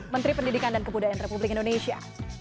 menteri pendidikan dan kebudayaan republik indonesia